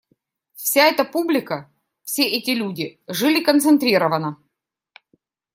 Вся эта публика, все эти люди жили концентрированно.